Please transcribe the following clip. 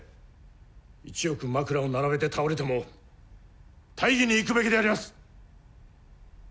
１億枕を並べて倒れても大義に生くべきであります！